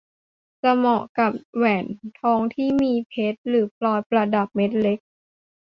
จะเหมาะกับแหวนทองที่มีเพชรหรือพลอยประดับเม็ดเล็ก